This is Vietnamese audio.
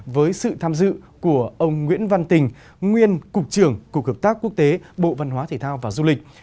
với sự tham dự của ông nguyễn văn tình nguyên cục trưởng cục hợp tác quốc tế bộ văn hóa thể thao và du lịch